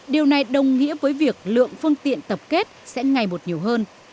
điều này đồng nghĩa với việc lượng phương tiện tập kết sẽ ngày một nhiều hơn